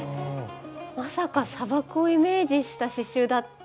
まさか砂漠をイメージした刺しゅうだって。